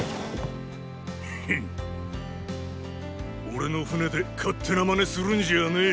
俺の船で勝手なまねするんじゃねェ。